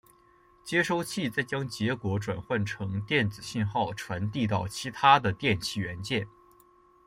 接收器再将结果转换成电子信号传递到其它的电气元件。